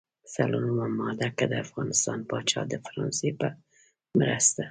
څلورمه ماده: که د افغانستان پاچا د فرانسې په مرسته.